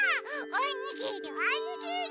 おにぎりおにぎり！